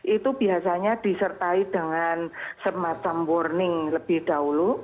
itu biasanya disertai dengan semacam warning lebih dahulu